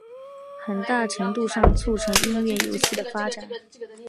很大程度上促成音乐游戏的发展。